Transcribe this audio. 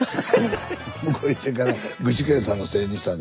向こう行ってから具志堅さんのせいにしたんです。